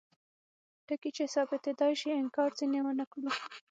ټکي چې ثابتیدای شي انکار ځینې ونکړو.